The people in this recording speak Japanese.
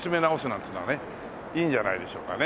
なんつうのはねいいんじゃないでしょうかね。